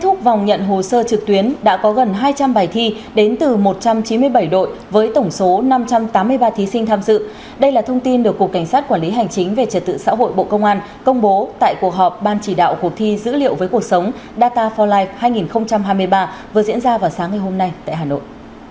hồ sơ trực tuyến đã có gần hai trăm linh bài thi đến từ một trăm chín mươi bảy đội với tổng số năm trăm tám mươi ba thí sinh tham dự đây là thông tin được cục cảnh sát quản lý hành chính về trật tự xã hội bộ công an công bố tại cuộc họp ban chỉ đạo cuộc thi dữ liệu với cuộc sống data for life hai nghìn hai mươi ba vừa diễn ra vào sáng ngày hôm nay tại hà nội